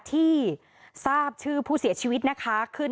ที่ทราบชื่อผู้เสียชีวิตนะคะขึ้น